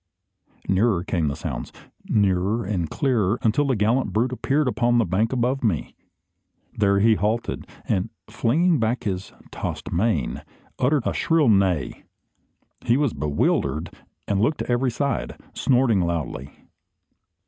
Nearer came the sounds; nearer and clearer, until the gallant brute appeared upon the bank above me. There he halted, and, flinging back his tossed mane, uttered a shrill neigh. He was bewildered, and looked to every side, snorting loudly.